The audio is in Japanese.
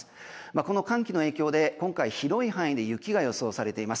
この寒気の影響で今回広い範囲で雪が予想されています。